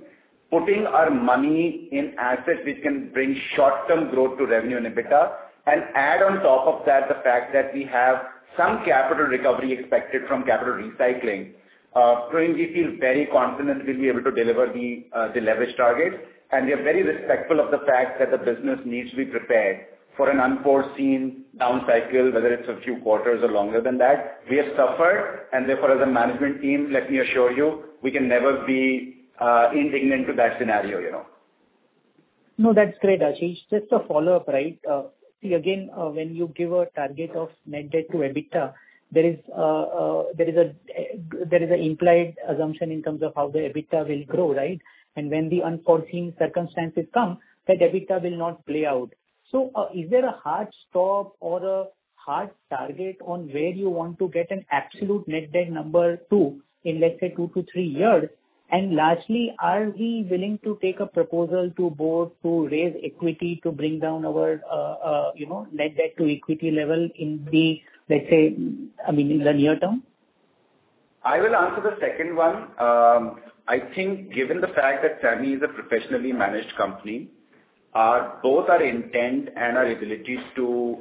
putting our money in assets which can bring short-term growth to revenue and EBITDA, and add on top of that the fact that we have some capital recovery expected from capital recycling, we feel very confident we'll be able to deliver the leverage target, and we are very respectful of the fact that the business needs to be prepared for an unforeseen down cycle, whether it's a few quarters or longer than that. We have suffered, and therefore, as a management team, let me assure you, we can never be indifferent to that scenario. No, that's great, Ashish. Just a follow-up, right? See, again, when you give a target of net debt to EBITDA, there is an implied assumption in terms of how the EBITDA will grow, right? And when the unforeseen circumstances come, that EBITDA will not play out. So is there a hard stop or a hard target on where you want to get an absolute net debt number to in, let's say, two to three years? And lastly, are we willing to take a proposal to board to raise equity to bring down our net debt to equity level in the, let's say, I mean, in the near term? I will answer the second one. I think given the fact that SAMHI is a professionally managed company, both our intent and our ability to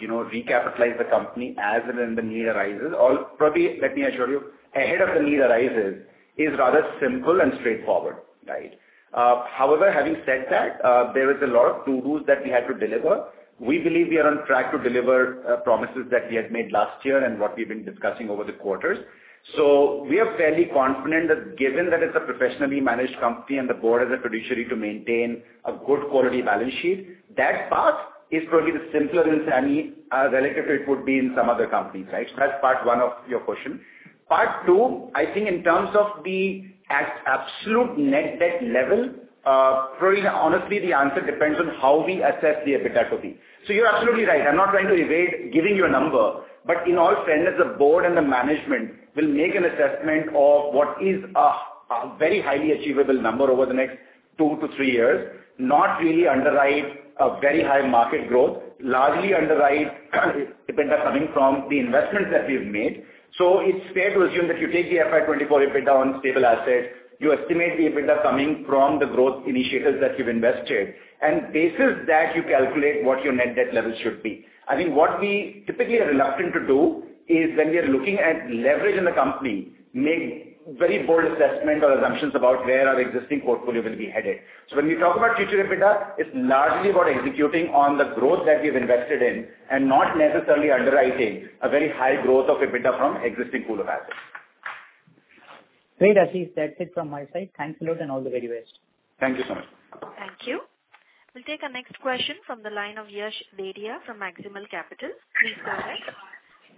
recapitalize the company as and when the need arises, or probably, let me assure you, ahead of the need arises is rather simple and straightforward, right? However, having said that, there is a lot of to-dos that we have to deliver. We believe we are on track to deliver promises that we had made last year and what we've been discussing over the quarters. So we are fairly confident that given that it's a professionally managed company and the board has a fiduciary to maintain a good quality balance sheet, that path is probably the simpler in SAMHI relative to it would be in some other companies, right? So that's part one of your question. Part two, I think in terms of the absolute net debt level, probably, honestly, the answer depends on how we assess the EBITDA to be. So you're absolutely right. I'm not trying to evade giving you a number, but in all fairness, the board and the management will make an assessment of what is a very highly achievable number over the next two to three years, not really underwrite a very high market growth, largely underwrite EBITDA coming from the investments that we've made. So it's fair to assume that you take the FY24 EBITDA on stable assets, you estimate the EBITDA coming from the growth initiatives that you've invested, and based on that you calculate what your net debt level should be. I think what we typically are reluctant to do is when we are looking at leverage in the company, make very bold assessments or assumptions about where our existing portfolio will be headed. So when we talk about future EBITDA, it's largely about executing on the growth that we've invested in and not necessarily underwriting a very high growth of EBITDA from existing pool of assets. Great, Ashish. That's it from my side. Thanks a lot and all the very best. Thank you so much. Thank you. We'll take a next question from the line of Yash Dedhia from Maximal Capital. Please go ahead.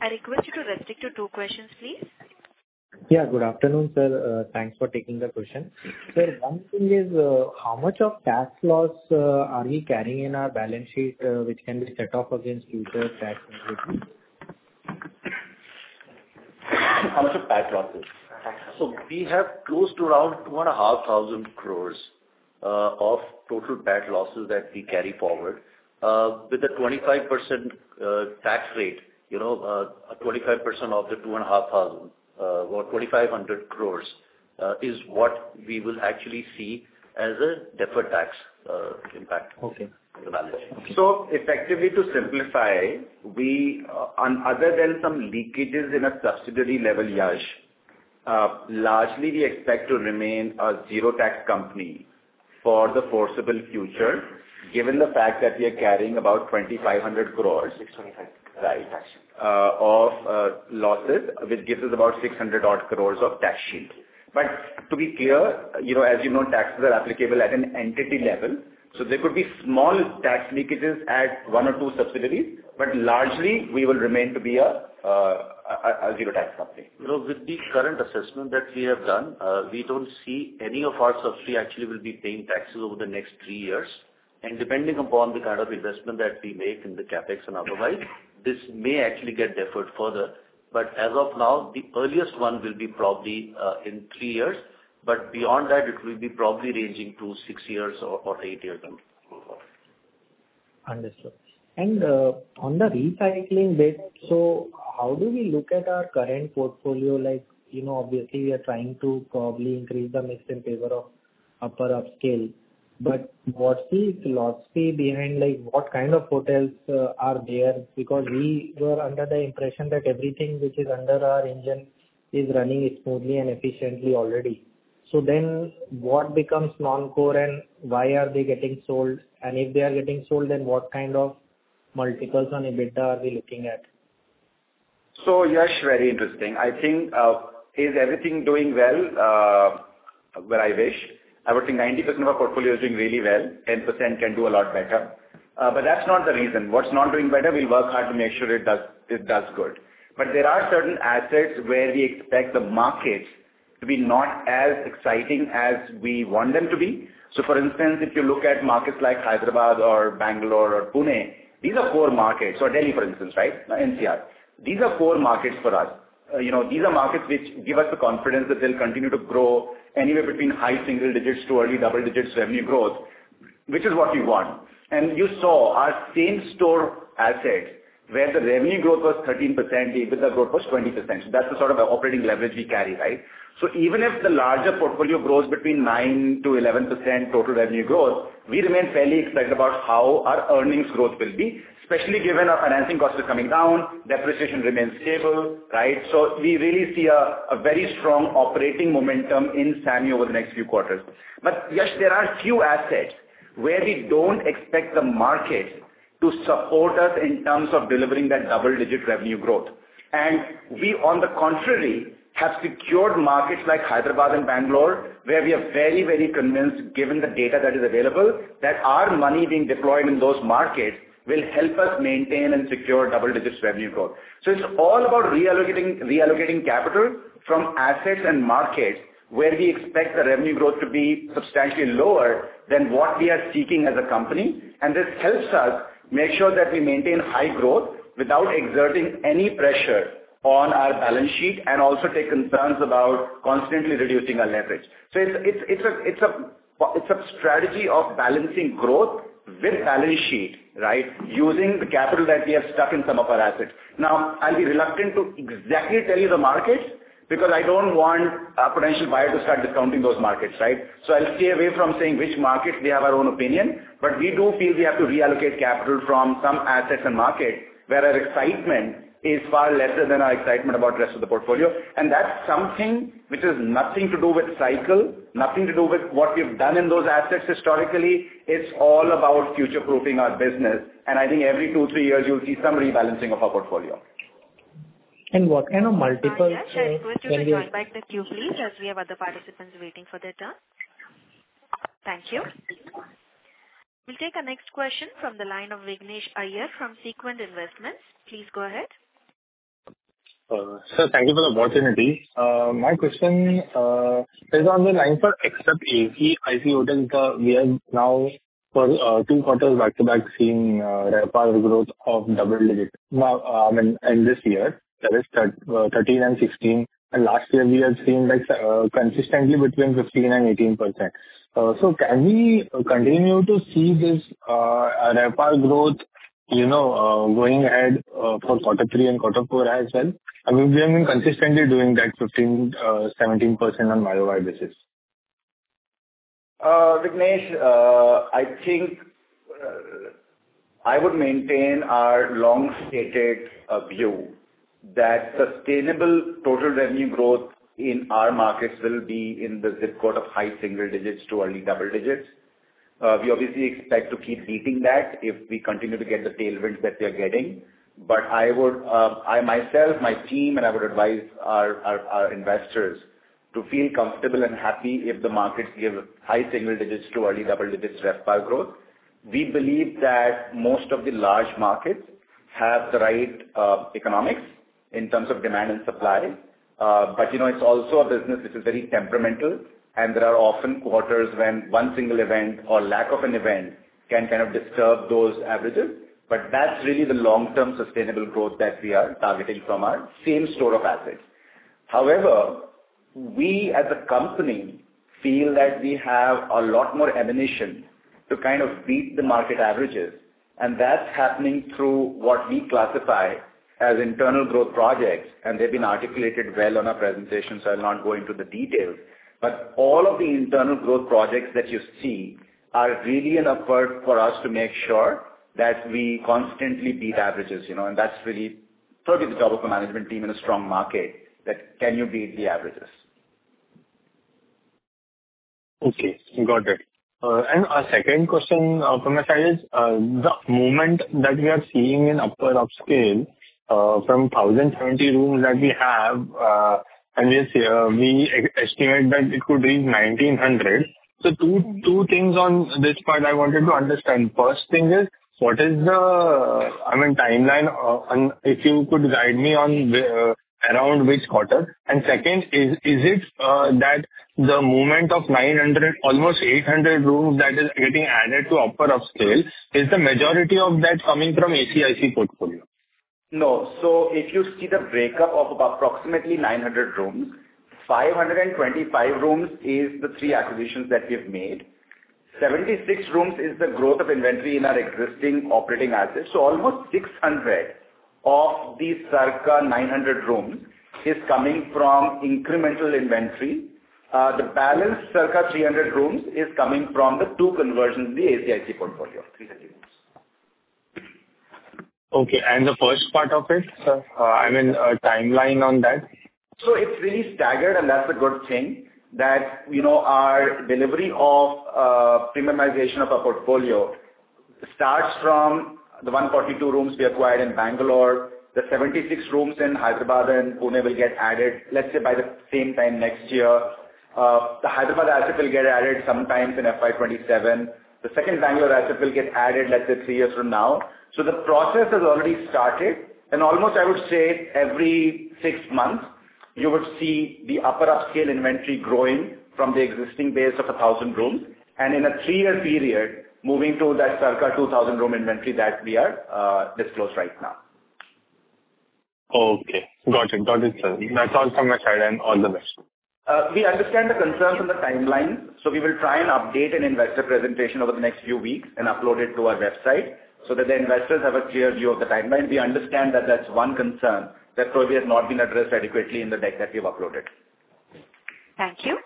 I request you to restrict to two questions, please. Yeah, good afternoon, sir. Thanks for taking the question. Sir, one thing is how much of tax loss are we carrying in our balance sheet, which can be set off against future tax liability? How much of tax loss is? So we have close to around 2,500 crores of total tax losses that we carry forward. With a 25% tax rate, 25% of the 2,500 crores is what we will actually see as a deferred tax impact on the balance sheet. So effectively, to simplify, other than some leakages in a subsidiary level, Yash, largely, we expect to remain a zero-tax company for the foreseeable future, given the fact that we are carrying about 2,500 crores. It's 2,500. Right. Of losses, which gives us about 600-odd crores of tax shield. But to be clear, as you know, taxes are applicable at an entity level, so there could be small tax leakages at one or two subsidiaries, but largely, we will remain to be a zero-tax company. With the current assessment that we have done, we don't see any of our subsidiaries actually will be paying taxes over the next three years. And depending upon the kind of investment that we make in the CapEx and otherwise, this may actually get deferred further. But as of now, the earliest one will be probably in three years, but beyond that, it will be probably ranging to six years or eight years down the road. Understood. And on the recycling bit, so how do we look at our current portfolio? Obviously, we are trying to probably increase the mix in favor of upper-upscale, but what's the philosophy behind what kind of hotels are there? Because we were under the impression that everything which is under our engine is running smoothly and efficiently already. So then what becomes non-core, and why are they getting sold? And if they are getting sold, then what kind of multiples on EBITDA are we looking at? So, Yash, very interesting. I think is everything doing well where I wish? I would think 90% of our portfolio is doing really well. 10% can do a lot better. But that's not the reason. What's not doing better, we'll work hard to make sure it does good. But there are certain assets where we expect the markets to be not as exciting as we want them to be. So for instance, if you look at markets like Hyderabad or Bangalore or Pune, these are core markets. So Delhi, for instance, right? NCR. These are core markets for us. These are markets which give us the confidence that they'll continue to grow anywhere between high single digits to early double digits revenue growth, which is what we want, and you saw our same-store assets where the revenue growth was 13%, the EBITDA growth was 20%. So that's the sort of operating leverage we carry, right? So even if the larger portfolio grows between 9%-11% total revenue growth, we remain fairly excited about how our earnings growth will be, especially given our financing cost is coming down, depreciation remains stable, right? So we really see a very strong operating momentum in SAMHI over the next few quarters. But, Yash, there are few assets where we don't expect the market to support us in terms of delivering that double-digit revenue growth. And we, on the contrary, have secured markets like Hyderabad and Bangalore, where we are very, very convinced, given the data that is available, that our money being deployed in those markets will help us maintain and secure double-digits revenue growth. So it's all about reallocating capital from assets and markets where we expect the revenue growth to be substantially lower than what we are seeking as a company. And this helps us make sure that we maintain high growth without exerting any pressure on our balance sheet and also take concerns about constantly reducing our leverage. So it's a strategy of balancing growth with balance sheet, right, using the capital that we have stuck in some of our assets. Now, I'll be reluctant to exactly tell you the markets because I don't want a potential buyer to start discounting those markets, right? So I'll stay away from saying which markets we have our own opinion, but we do feel we have to reallocate capital from some assets and markets where our excitement is far lesser than our excitement about the rest of the portfolio. And that's something which has nothing to do with cycle, nothing to do with what we've done in those assets historically. It's all about future-proofing our business. And I think every two, three years, you'll see some rebalancing of our portfolio. What kind of multiples? Yash, can we go back to a few, please, as we have other participants waiting for their turn? Thank you. We'll take a next question from the line of Vignesh Iyer from Sequent Investments. Please go ahead. Sir, thank you for the opportunity. My question is on the line for ex-ACIC hotels. We have now, for two quarters back to back, seen RevPAR growth of double digits. I mean, in this year, that is 13 and 16. And last year, we had seen consistently between 15% and 18%. So can we continue to see this RevPAR growth going ahead for quarter three and quarter four as well? I mean, we have been consistently doing that 15%-17% on an annualized basis. Vignesh, I think I would maintain our long-standing view that sustainable total revenue growth in our markets will be in the zip code of high single digits to early double digits. We obviously expect to keep beating that if we continue to get the tailwinds that we are getting. But I myself, my team, and I would advise our investors to feel comfortable and happy if the markets give high single digits to early double digits RevPAR growth. We believe that most of the large markets have the right economics in terms of demand and supply. But it's also a business which is very temperamental, and there are often quarters when one single event or lack of an event can kind of disturb those averages. But that's really the long-term sustainable growth that we are targeting from our same-store assets. However, we as a company feel that we have a lot more ammunition to kind of beat the market averages. And that's happening through what we classify as internal growth projects. And they've been articulated well on our presentation, so I'll not go into the details. But all of the internal growth projects that you see are really an effort for us to make sure that we constantly beat averages. And that's really probably the job of the management team in a strong market, that can you beat the averages? Okay. Got it. And our second question from my side is the momentum that we are seeing in upper-upscale from 1,070 rooms that we have, and we estimate that it could reach 1,900. So two things on this part I wanted to understand. First thing is, what is the, I mean, timeline? If you could guide me around which quarter. And second is, is it that the momentum of 900, almost 800 rooms that is getting added to upper-upscale, is the majority of that coming from ACIC portfolio? No. So if you see the breakup of approximately 900 rooms, 525 rooms is the three acquisitions that we have made. 76 rooms is the growth of inventory in our existing operating assets. So almost 600 of the circa 900 rooms is coming from incremental inventory. The balance circa 300 rooms is coming from the two conversions in the ACIC portfolio. 300 rooms. Okay. And the first part of it, sir, I mean, timeline on that? So it's really staggered, and that's a good thing that our delivery of premiumization of our portfolio starts from the 142 rooms we acquired in Bangalore. The 76 rooms in Hyderabad and Pune will get added, let's say, by the same time next year. The Hyderabad asset will get added sometime in FY27. The second Bangalore asset will get added, let's say, three years from now. So the process has already started. And almost, I would say, every six months, you would see the upper-upscale inventory growing from the existing base of 1,000 rooms. And in a three-year period, moving to that circa 2,000 room inventory that we are disclosed right now. Okay. Got it. Got it, sir. That's all from my side and all the best. We understand the concerns on the timeline, so we will try and update an investor presentation over the next few weeks and upload it to our website so that the investors have a clear view of the timeline. We understand that that's one concern that probably has not been addressed adequately in the deck that we have uploaded. Thank you.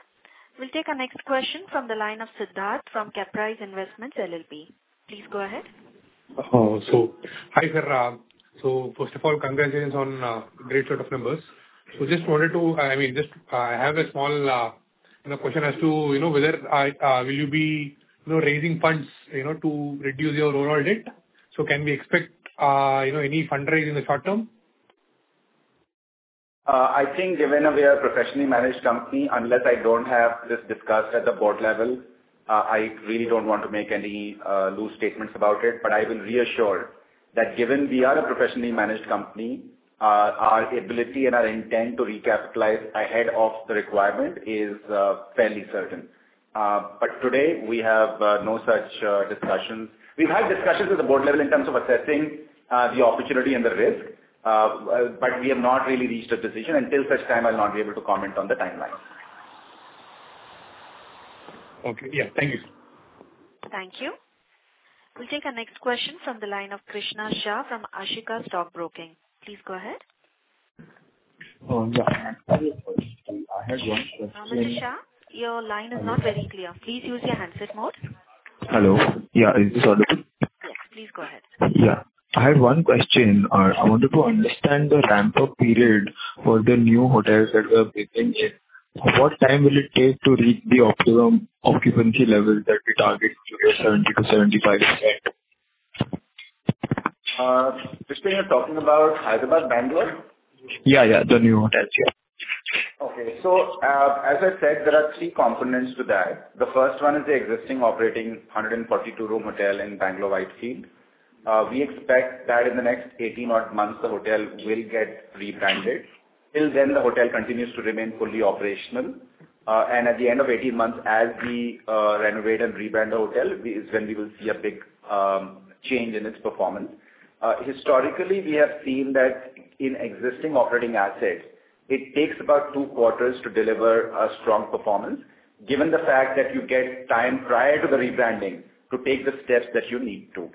We'll take a next question from the line of Siddharth from Caprize Investment LLP. Please go ahead. So, hi, sir. So first of all, congratulations on a great set of numbers. So just wanted to, I mean, I have a small question as to whether will you be raising funds to reduce your overall debt? So can we expect any fundraising in the short term? I think given we are a professionally managed company, unless I don't have this discussed at the board level, I really don't want to make any loose statements about it. But I will reassure that given we are a professionally managed company, our ability and our intent to recapitalize ahead of the requirement is fairly certain. But today, we have no such discussions. We've had discussions at the board level in terms of assessing the opportunity and the risk, but we have not really reached a decision. Until such time, I'll not be able to comment on the timeline. Okay. Yeah. Thank you. Thank you. We'll take a next question from the line of Krishna Shah from Ashika Stock Broking. Please go ahead. Hello. Yeah. I have one question. Krishna Shah, your line is not very clear. Please use your handset mode. Hello. Yeah. Is this audible? Yes. Please go ahead. Yeah. I have one question. I wanted to understand the ramp-up period for the new hotels that we are building in. What time will it take to reach the optimum occupancy level that we target to get 70%-75%? You're talking about Hyderabad, Bangalore? Yeah. Yeah. The new hotels. Yeah. Okay. So as I said, there are three components to that. The first one is the existing operating 142-room hotel in Bengaluru Whitefield. We expect that in the next 18-odd months, the hotel will get rebranded. Till then, the hotel continues to remain fully operational. And at the end of 18 months, as we renovate and rebrand the hotel, is when we will see a big change in its performance. Historically, we have seen that in existing operating assets, it takes about two quarters to deliver a strong performance, given the fact that you get time prior to the rebranding to take the steps that you need to.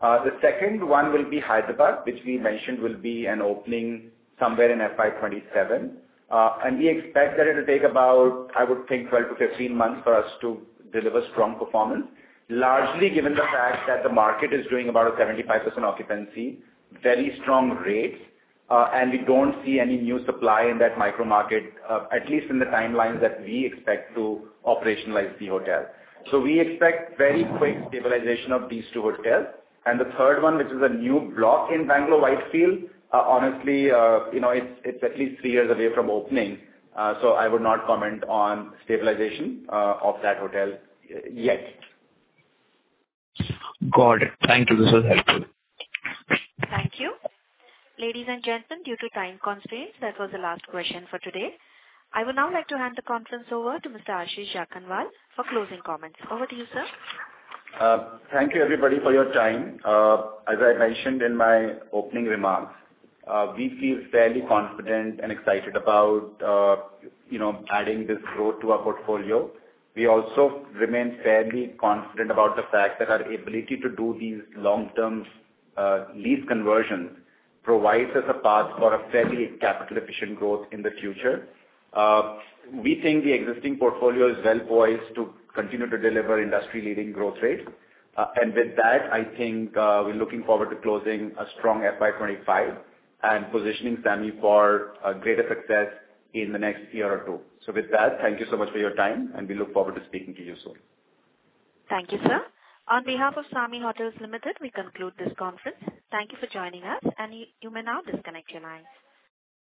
The second one will be Hyderabad, which we mentioned will be an opening somewhere in FY27. We expect that it will take about, I would think, 12-15 months for us to deliver strong performance, largely given the fact that the market is doing about a 75% occupancy, very strong rates, and we don't see any new supply in that micro-market, at least in the timelines that we expect to operationalize the hotel. So we expect very quick stabilization of these two hotels. And the third one, which is a new block in Bangalore Whitefield, honestly, it's at least three years away from opening. So I would not comment on stabilization of that hotel yet. Got it. Thank you. This was helpful. Thank you. Ladies and gentlemen, due to time constraints, that was the last question for today. I would now like to hand the conference over to Mr. Ashish Jakhanwala for closing comments. Over to you, sir. Thank you, everybody, for your time. As I mentioned in my opening remarks, we feel fairly confident and excited about adding this growth to our portfolio. We also remain fairly confident about the fact that our ability to do these long-term lease conversions provides us a path for a fairly capital-efficient growth in the future. We think the existing portfolio is well poised to continue to deliver industry-leading growth rates. And with that, I think we're looking forward to closing a strong FY25 and positioning SAMHI for greater success in the next year or two. So with that, thank you so much for your time, and we look forward to speaking to you soon. Thank you, sir. On behalf of SAMHI Hotels Limited, we conclude this conference. Thank you for joining us, and you may now disconnect your lines.